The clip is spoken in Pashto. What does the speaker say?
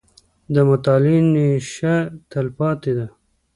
• د مطالعې نیشه، تلپاتې ده.